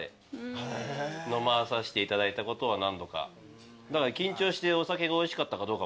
飲まさせていただいたことは何度か。